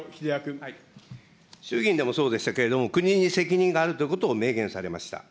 衆議院でもそうでしたけれども、国に責任があるということを明言されました。